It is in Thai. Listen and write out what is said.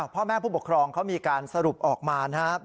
พ่อแม่ผู้ปกครองเขามีการสรุปออกมานะครับ